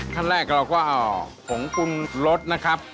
ขั้นแรกเราก็เอาผงปรุงรสนะครับ